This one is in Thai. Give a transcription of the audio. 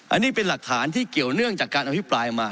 อันนี้เป็นหลักฐานที่เกี่ยวเนื่องจากการอภิปรายออกมา